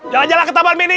jalan jalan ke taman mini